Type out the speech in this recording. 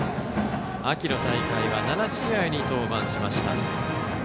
秋の大会は７試合に登板しました。